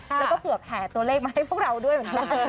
แล้วก็เผื่อแผ่ตัวเลขมาให้พวกเราด้วยเหมือนกัน